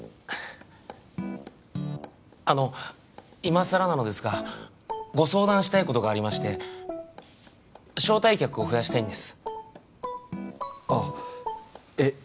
あのいまさらなのですがご相談したいことがありまして招待客を増やしたいんですあっえっ